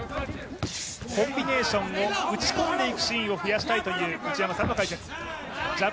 コンビネーションを打ち込んでいくシーンを増やしたいという内山さんの解説。